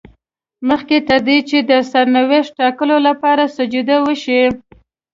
مخکې تر دې چې د سرنوشت ټاکلو لپاره سجده وشي.